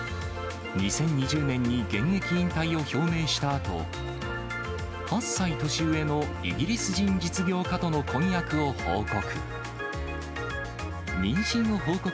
２０２０年に現役引退を表明したあと、８歳年上のイギリス人実業家との婚約を報告。